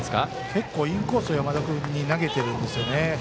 結構、インコース山田君に投げてるんですよね。